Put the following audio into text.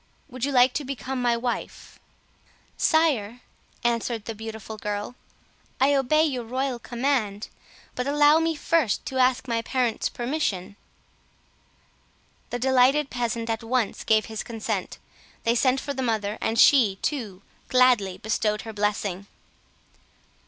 Would you like to become my wife?" "Sire," answered the beautiful girl, "I obey your royal command; but allow me first to ask my parents' permission." The delighted peasant at once gave his consent; they sent for the mother, and she, too, gladly bestowed her blessing.